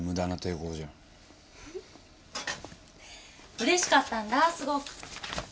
うれしかったんだすごく。